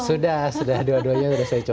sudah sudah dua duanya sudah saya coba